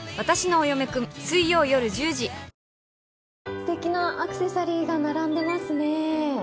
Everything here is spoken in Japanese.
すてきなアクセサリーが並んでますね。